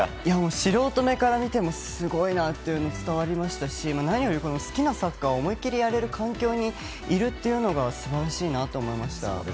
素人目から見てもすごいなっていうのが伝わりましたし何より好きなサッカーを思い切りやれる環境にいるというのが素晴らしいなと思いました。